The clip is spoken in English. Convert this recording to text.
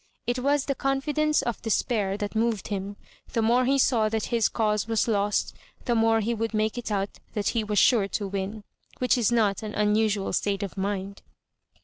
It was the confidence of despair that moved him. The more be saw that his cause was lost, the more he would make it out that he was sure to win — which is not an unusual state of mind.